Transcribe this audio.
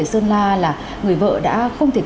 ở sơn la là người vợ đã không thể